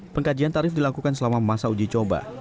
pengkajian tarif dilakukan selama masa uji coba